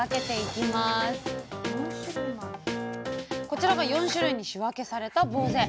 こちらが４種類に仕分けされたぼうぜ。